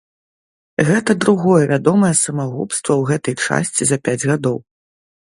Гэта другое вядомае самагубства ў гэтай часці за пяць гадоў.